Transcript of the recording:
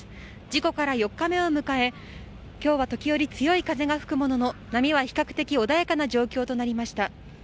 事故から４日目を迎え、きょうは時折、強い風が吹くものの、波は比較的穏やかな状況となりました。